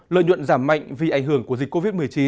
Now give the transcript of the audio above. lợi nhuận giảm mạnh vì ảnh hưởng của dịch covid một mươi chín